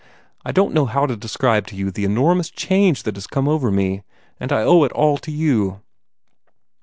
I don't know how to describe to you the enormous change that has come over me; and I owe it all to you."